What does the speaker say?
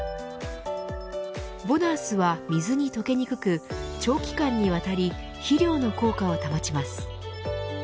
ボナースは水に溶けにくく長期間にわたり肥料の効果を保ちます。